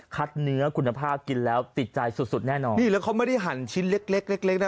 เนื้อคุณภาพกินแล้วติดใจสุดสุดแน่นอนนี่แล้วเขาไม่ได้หั่นชิ้นเล็กเล็กเล็กนะ